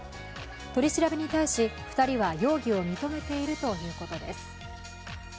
取り調べに対し、２人は容疑を認めているということです。